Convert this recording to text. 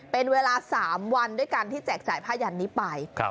เป็นเวลา๓วันด้วยกันที่แจกจ่ายผ้ายันนี้ไป